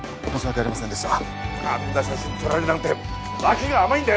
あんな写真撮られるなんて脇が甘いんだよ